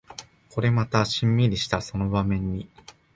これまたシンミリしたその場面に